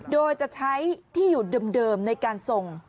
โดยจะใช้ที่อยู่เดิมในการส่ง